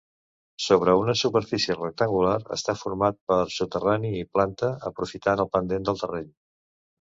Sobre una superfície rectangular, està format per soterrani i planta, aprofitant el pendent del terreny.